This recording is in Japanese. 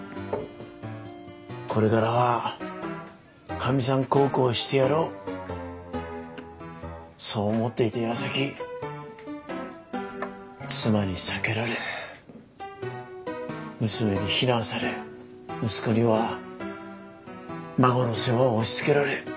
これからはカミサン孝行してやろうそう思っていたやさき妻に避けられ娘に非難され息子には孫の世話を押しつけられ。